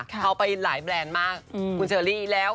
เขาไปหลายแบรนด์มากคุณเชอรี่แล้ว